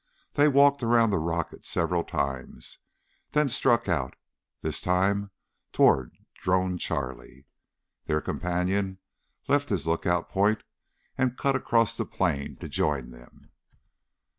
They walked around the rocket several times, then struck out, this time toward Drone Charlie. Their companion left his lookout point and cut across the plain to join them.